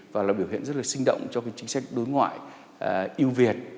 và là biểu hiện rất là sinh động cho cái chính sách đối ngoại yêu việt